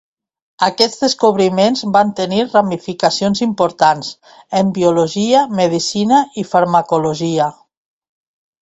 Aquests descobriments van tenir ramificacions importants en biologia, medicina i farmacologia.